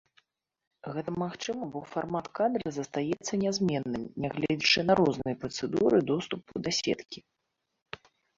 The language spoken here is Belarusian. Гэта магчыма, бо фармат кадра застаецца нязменным, нягледзячы на розныя працэдуры доступу да сеткі.